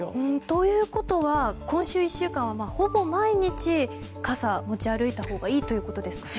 ということは今週１週間は、ほぼ毎日傘を持ち歩いたほうがいいということですかね。